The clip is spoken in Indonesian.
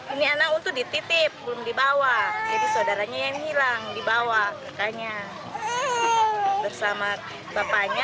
ini anak untuk dititip belum dibawa jadi saudaranya yang hilang dibawa kakaknya bersama bapaknya